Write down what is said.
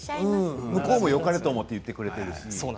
向こうもよかれと思って言ってくれているし。